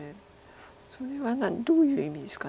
それはどういう意味ですか。